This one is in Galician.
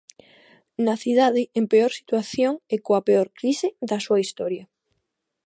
Na cidade en peor situación e coa peor crise da súa historia.